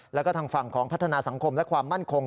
แล้วก็ทางฝั่งของพัฒนาสังคมและความมั่นคง